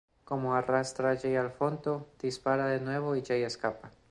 Como arrastra Jay al fondo, dispara de nuevo y Jay escapa.